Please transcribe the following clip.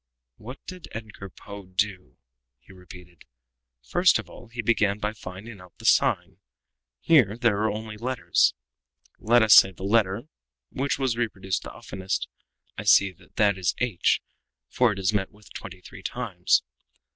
"What did Edgar Poe do?" he repeated. "First of all he began by finding out the sign here there are only letters, let us say the letter which was reproduced the oftenest. I see that that is h, for it is met with twenty three times.